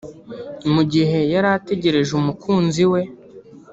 mu gihe yarategereje umukunzi we